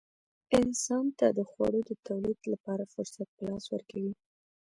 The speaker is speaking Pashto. انسان ته د خوړو د تولید لپاره فرصت په لاس ورکوي.